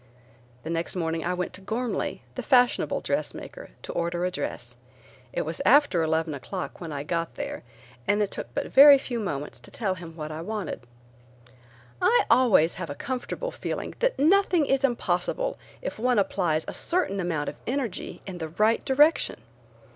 The next morning I went to Ghormley, the fashionable dressmaker, to order a dress. It was after eleven o'clock when I got there and it took but very few moments to tell him what I wanted. I always have a comfortable feeling that nothing is impossible if one applies a certain amount of energy in the right direction.